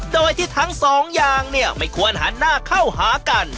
โดยที่ทั้งสองอย่างเนี่ยไม่ควรหันหน้าเข้าหากัน